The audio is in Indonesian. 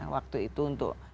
waktu itu untuk